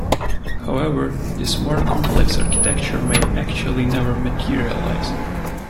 However, this more complex architecture may actually never materialize.